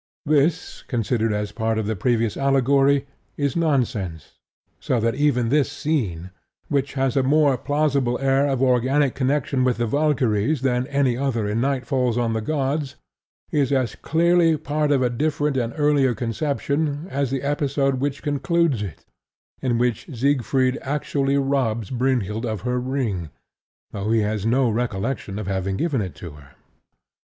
This, considered as part of the previous allegory, is nonsense; so that even this scene, which has a more plausible air of organic connection with The Valkyries than any other in Night Falls On The Gods, is as clearly part of a different and earlier conception as the episode which concludes it, in which Siegfried actually robs Brynhild of her ring, though he has no recollection of having given it to her.